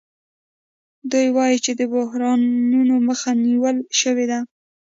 دوی وايي چې د بحرانونو مخه نیول شوې ده